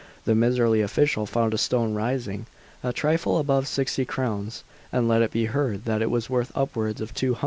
The miserly official found a stone rising a trifle above sixty crowns, and let it be heard that it was worth upwards of two hundred.